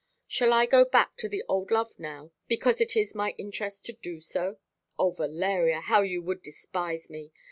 Shall I go back to the old love now because it is my interest to do so? O Valeria, how you would despise me!